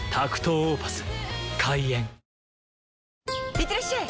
いってらっしゃい！